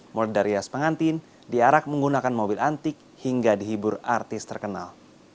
mordarias pengantin diarak menggunakan mobil antik hingga dihibur artis terkenal